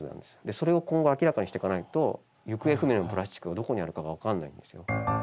それを今後明らかにしていかないと行方不明のプラスチックがどこにあるかが分からないんですよ。